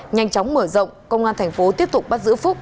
nhanh chóng mở rộng công an thành phố tiếp tục bắt giữ phúc